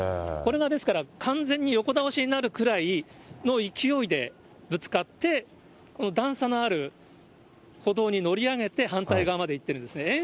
これがですから、完全に横倒しになるくらいの勢いでぶつかって、この段差のある歩道に乗り上げて、反対側まで行ってるんですね。